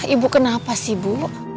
ibu kenapa sih bu